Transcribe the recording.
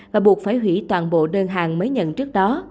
và buộc phải hủy toàn bộ đơn hàng mới nhận trước đó